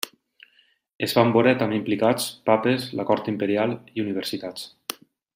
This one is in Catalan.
Es van veure també implicats papes, la cort imperial i universitats.